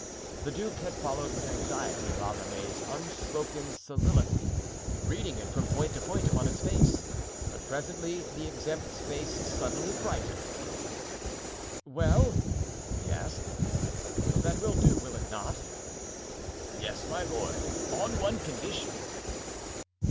The duke had followed with anxiety La Ramee's unspoken soliloquy, reading it from point to point upon his face. But presently the exempt's face suddenly brightened. "Well," he asked, "that will do, will it not?" "Yes, my lord, on one condition."